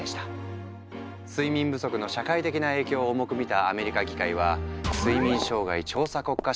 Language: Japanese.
睡眠不足の社会的な影響を重く見たアメリカ議会はを設立。